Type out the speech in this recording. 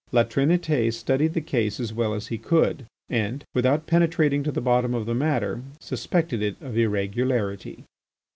La Trinité studied the case as well as he could, and, without penetrating to the bottom of the matter, suspected it of irregularity.